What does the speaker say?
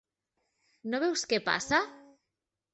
No veus què passa?